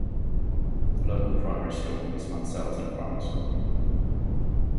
The local primary school is Manselton Primary school.